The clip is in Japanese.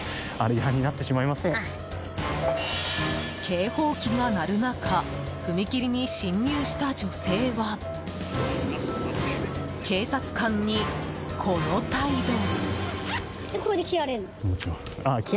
警報機が鳴る中踏切に進入した女性は警察官に、この態度。